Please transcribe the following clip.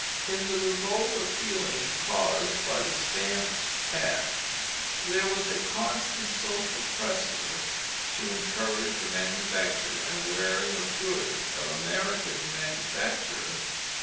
In the revolt of feeling caused by the Stamp Act, there was a constant social pressure to encourage the manufacture and wearing of goods of American manufacture.